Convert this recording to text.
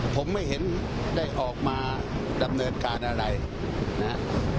ผมไม่เห็นได้ออกมาดำเนินการอะไรนะครับ